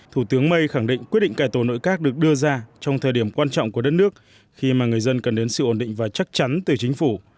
thủ tướng may khẳng định quyết định cải tổ nội các được đưa ra trong thời điểm quan trọng của đất nước khi mà người dân cần đến sự ổn định và chắc chắn từ chính phủ